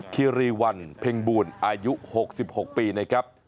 คิรีวันเพ็งบูลอายุ๖๖ปีนะครับ